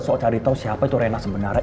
sok cari tau siapa itu reyna sebenarnya